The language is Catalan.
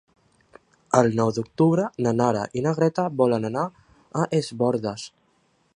El nou d'octubre na Nara i na Greta volen anar a Es Bòrdes.